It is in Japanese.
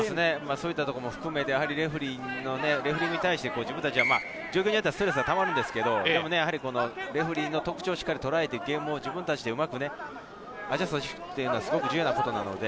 そういったところも含めて、レフェリングに対して、自分達はストレスがたまるんですけれど、レフェリーの特徴をしっかりとらえて、ゲームを自分たちでうまくアジャストしていくというのは重要なことなので。